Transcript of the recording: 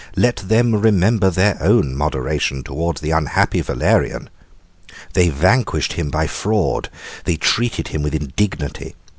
Let them remember their own moderation towards the unhappy Valerian. They vanquished him by fraud, they treated him with indignity.